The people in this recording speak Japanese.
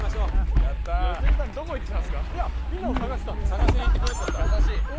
探しに行ってくれてたんだ。